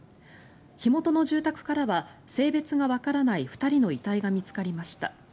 火元の住宅からは性別がわからない２人の遺体が見つかりました。